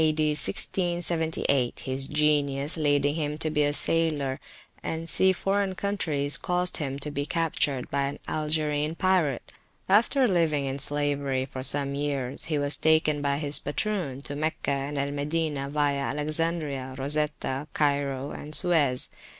D. 1678, his genius leading him to be a sailor and to see foreign countries, caused him to be captured by an Algerine pirate. After living in slavery for some years, he was taken by his patroon to Meccah and Al Madinah via Alexandria, Rosetta, Cairo, and Suez.